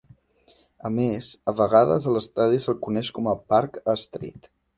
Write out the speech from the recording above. A més, a vegades a l'estadi se'l coneix com a "Parc Astrid".